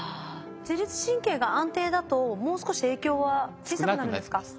自律神経が安定だともう少し影響は小さくなるんですか？